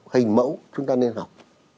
hình mẫu chúng ta nên học